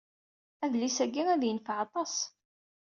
Adlis-ayi ad aɣ-yenfeɛ aṭas.